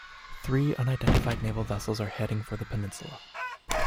Three unidentified naval vessels are heading for the peninsula.